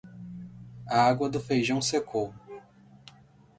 A água do feijão secou.